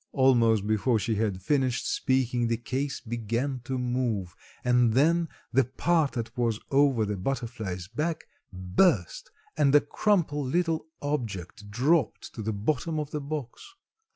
Almost before she had finished speaking the case began to move and then the part that was over the butterfly's back burst and a crumpled little object dropped to the bottom of the box.